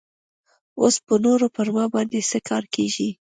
اوس به نور پر ما باندې څه کار کيږي.